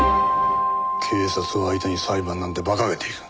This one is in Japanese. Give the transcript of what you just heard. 警察を相手に裁判なんて馬鹿げている。